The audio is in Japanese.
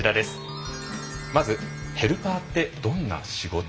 まず、ヘルパーってどんな仕事？